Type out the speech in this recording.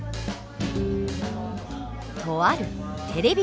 とあるテレビ